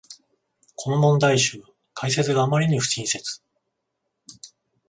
この問題集、解説があまりに不親切